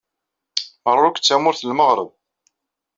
Merruk d tamurt n lmeɣreb.